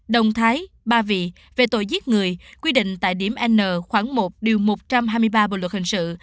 đồng thái ba vị về tội giết người quy định tại điểm n khoảng một điều một trăm hai mươi ba bộ luật hình sự